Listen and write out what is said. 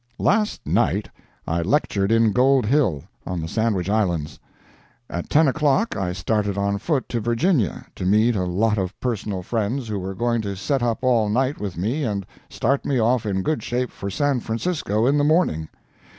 Last night I lectured in Gold Hill, on the Sandwich Islands. At ten o'clock I started on foot to Virginia, to meet a lot of personal friends who were going to set up all night with me and start me off in good shape for San Francisco in the morning.